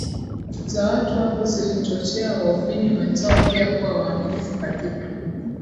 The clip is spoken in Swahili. za watu hao zilichochea waumini wenzao pia kuwa waaminifu katika